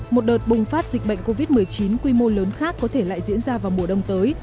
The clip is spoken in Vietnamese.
một đợt bùng phát dịch bệnh covid một mươi chín quy mô lớn khác có thể lại diễn ra vào mùa đông tới